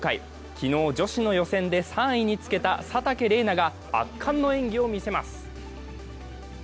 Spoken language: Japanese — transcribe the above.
昨日、女子の予選で３位につけた佐竹玲奈が圧巻の演技を見せます。